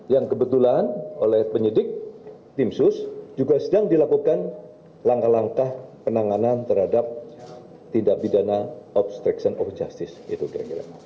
yang kebetulan oleh penyidik tim sus juga sedang dilakukan langkah langkah penanganan terhadap tindak bidana obstruction of justice